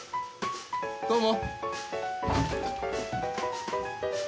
どうも。